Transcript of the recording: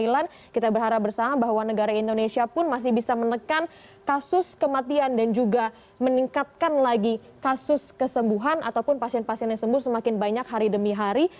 kita berharap bersama bahwa negara indonesia pun masih bisa menekan kasus kematian dan juga meningkatkan lagi kasus kesembuhan ataupun pasien pasien yang sembuh semakin banyak hari demi hari